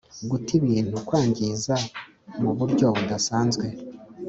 guca ibintu: kwangiza mu buryo budasanzwe